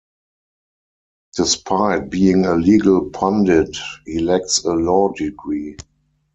Despite being a legal pundit, he lacks a law degree.